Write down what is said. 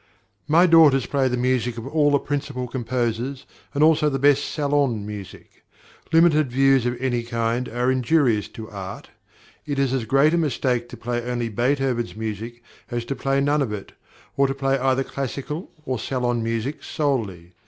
My daughters play the music of all the principal composers, and also the best salon music. Limited views of any kind are injurious to art. It is as great a mistake to play only Beethoven's music as to play none of it, or to play either classical or salon music solely.